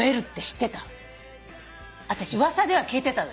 私噂では聞いてた。